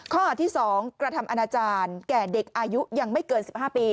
ข้อหาที่๒กระทำอนาจารย์แก่เด็กอายุยังไม่เกิน๑๕ปี